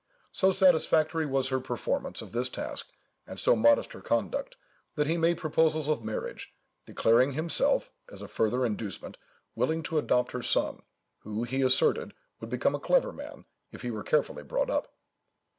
So satisfactory was her performance of this task, and so modest her conduct, that he made proposals of marriage, declaring himself, as a further inducement, willing to adopt her son, who, he asserted, would become a clever man, if he were carefully brought up."